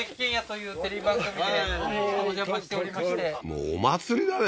もうお祭りだね